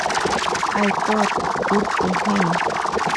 I thought, 'Good for him.